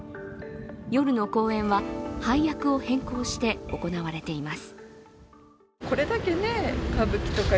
夜の公演は、配役を変更して行われています。